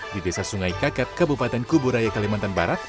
di desa sungai kakap kabupaten kuburaya kalimantan barat